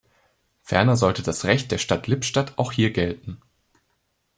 Ferner sollte das Recht der Stadt Lippstadt auch hier gelten.